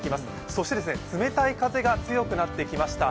そして冷たい風が強くなってきました。